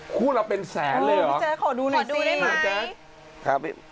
คู่ละเป็นแสนเลยหรอพี่เจ๊ขอดูหน่อยสิผมหัวได้มั้ยเจ๊